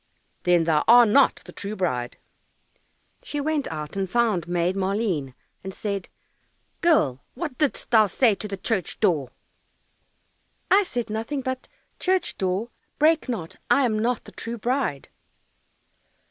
"Then thou art not the true bride." She went out and found Maid Maleen, and said, "Girl, what didst thou say to the church door?" "I said nothing but, "Church door, break not, I am not the true bride."